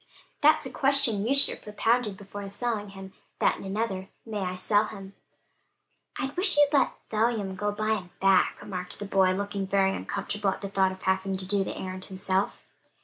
"That's a question you should have propounded before selling him, that and another; 'May I sell him.'" "I wish you'd let Phelim go and buy him back," remarked the boy, looking very uncomfortable at the thought of having to do the errand himself.